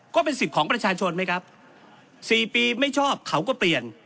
ก็เป็นสิทธิ์ของประชาชนไหมครับ๔ปีไม่ชอบเขาก็เปลี่ยน